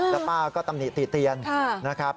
แล้วป้าก็ตำหนิติเตียนนะครับ